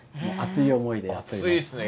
熱いですね。